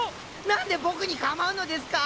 何で僕に構うのですか！